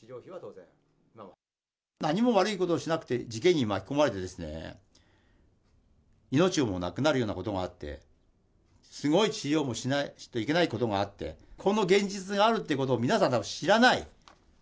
何も悪いことをしなくて、事件に巻き込まれてですね、命もなくなるようなことがあって、すごい治療もしないといけないことがあって、この現実があるってことを、皆さん、たぶん知らない。